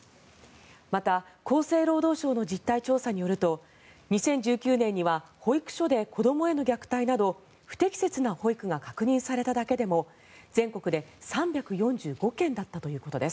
また厚生労働省の実態調査によると２０１９年には保育所で子どもへの虐待など不適切な保育が確認されただけでも全国で３４５件だったということです。